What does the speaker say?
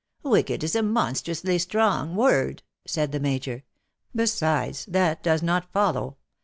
Wicked is a monstrously strong word V said the Major. " Besides, that does not follow.